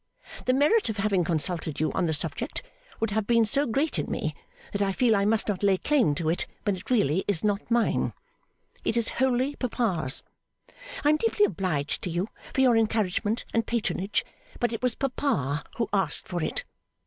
The merit of having consulted you on the subject would have been so great in me, that I feel I must not lay claim to it when it really is not mine. It is wholly papa's. I am deeply obliged to you for your encouragement and patronage, but it was papa who asked for it.